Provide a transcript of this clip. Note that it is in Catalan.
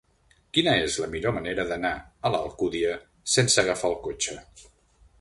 Quina és la millor manera d'anar a l'Alcúdia sense agafar el cotxe?